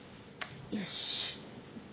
よし！